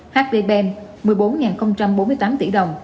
hdben một mươi bốn bốn mươi tám tỷ đồng